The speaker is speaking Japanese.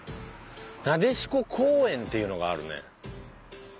なでしこ公園っていうのがあるね。